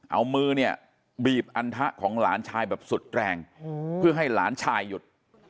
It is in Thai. เอามือเนี่ยบีบอันทะของหลานชายแบบสุดแรงเพื่อให้หลานชายหยุด